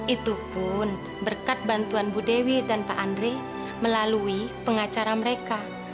itu pun berkat bantuan bu dewi dan pak andri melalui pengacara mereka